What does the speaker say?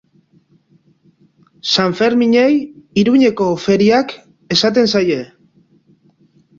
San Ferminei Iruñeko feriak esaten zaie.